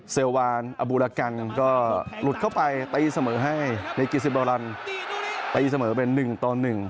เซลวานอบูรกันก็หลุดเข้าไปตีเสมอให้ในกี่สิบเบารันตีเสมอเป็นหนึ่งต่อหนึ่ง